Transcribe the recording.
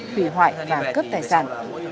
hủy hoại và cướp tài sản